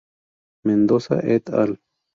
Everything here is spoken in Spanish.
Mendoza "et al".